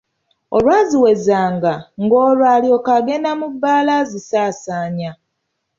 Olwaziwezanga, ng'olwo alyoka agenda mu bbaala azisaasaanya.